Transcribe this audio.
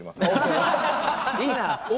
いいな！